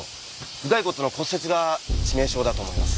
頭蓋骨の骨折が致命傷だと思います。